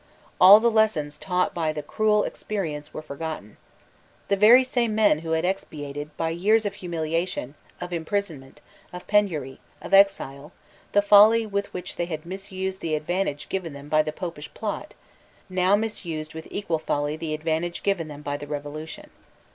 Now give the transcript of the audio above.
All the lessons taught by a cruel experience were forgotten. The very same men who had expiated, by years of humiliation, of imprisonment, of penury, of exile, the folly with which they had misused the advantage given them by the Popish plot, now misused with equal folly the advantage given them by the Revolution.